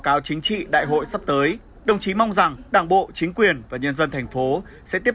cáo chính trị đại hội sắp tới đồng chí mong rằng đảng bộ chính quyền và nhân dân thành phố sẽ tiếp